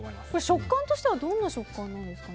食感としてはどんな食感なんですか？